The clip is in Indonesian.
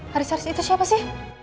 haris haris itu siapa sih